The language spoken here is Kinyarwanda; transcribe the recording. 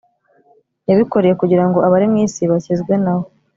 yabikoreye kugira ngo abari mu isi bakizwe nawe